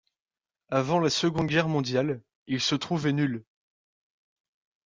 Avant la seconde guerre mondiale, il se trouvait ul.